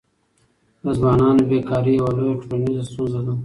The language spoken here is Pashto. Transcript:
د ځوانانو بېکاري یوه لویه ټولنیزه ستونزه ده.